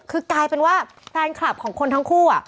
คือกลายเป็นว่าแฟนคลับของคนทั้งคู่